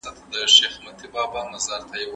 نه به لاس د چا گرېوان ته ور رسېږي